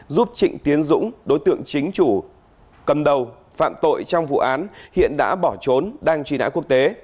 giúp trịnh tiến dũng đối tượng chính chủ cầm đầu phạm tội trong vụ án hiện đã bỏ trốn đang truy nã quốc tế